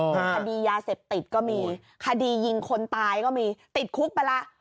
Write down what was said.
คดียาเสพติดก็มีคดียิงคนตายก็มีติดคุกไปแล้ว